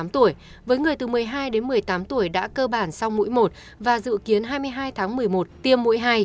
tám tuổi với người từ một mươi hai đến một mươi tám tuổi đã cơ bản sau mũi một và dự kiến hai mươi hai tháng một mươi một tiêm mũi hai